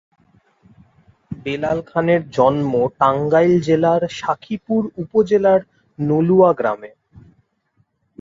বেলাল খানের জন্ম টাঙ্গাইল জেলার সখিপুর উপজেলার নলুয়া গ্রামে।